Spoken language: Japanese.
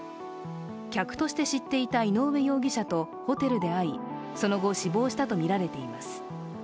客として知っていた井上容疑者とホテルで会い、その後死亡したとみられています。